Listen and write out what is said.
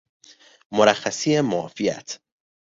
مرخصی معافیت